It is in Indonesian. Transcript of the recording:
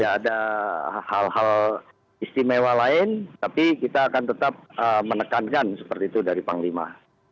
ada hal hal istimewa lain tapi kita akan tetap menekankan seperti itu dari panglima